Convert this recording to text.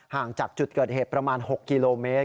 ห่างจากจุดเกิดเหตุประมาณ๖กิโลเมตร